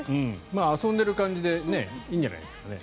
まあ、遊んでいる感じでいいんじゃないですかね。